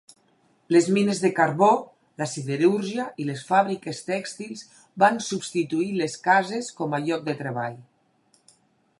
Les mines de carbó, la siderúrgia i les fàbriques tèxtils van substituir les cases com a lloc de treball.